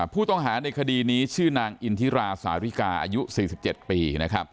ผู้ต้องหาในคดีนี้ชื่อนางอินทิราสาริกาอายุ๔๗ปี